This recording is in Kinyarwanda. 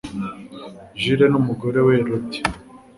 Gilles n'umugore we Elodie,